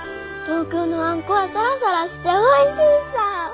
東京のあんこはサラサラしておいしいさぁ。